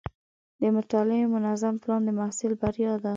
د مطالعې منظم پلان د محصل بریا ده.